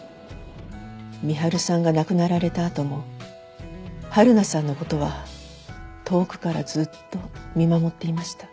美春さんが亡くなられたあともはるなさんの事は遠くからずっと見守っていました。